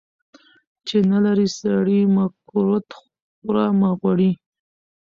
چی نلرې سړي ، مه کورت خوره مه غوړي .